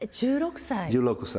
１６歳？